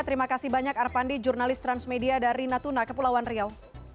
terima kasih banyak arpandi jurnalis transmedia dari natuna kepulauan riau